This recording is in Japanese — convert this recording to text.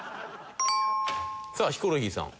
さあヒコロヒーさん。